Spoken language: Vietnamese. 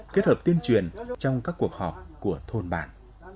kết hợp tuyên truyền trong các cuộc họp của thôn bản